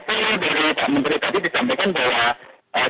itu dari pak menteri tadi ditampilkan bahwa